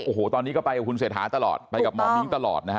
โอ้โหตอนนี้ก็ไปกับคุณเศรษฐาตลอดไปกับหมอมิ้งตลอดนะฮะ